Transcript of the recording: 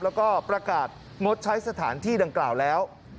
แล้วก็ประกาศงดใช้สถานที่ดังกล่าวแล้ว